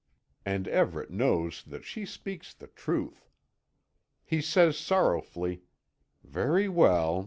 And Everet knows that she speaks the truth. He says sorrowfully: "Very well.